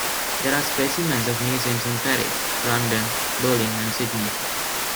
There are specimens in museums in Paris, London, Berlin, and Sydney.